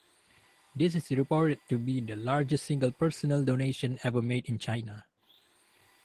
This is reported to be the largest single personal donation ever made in China.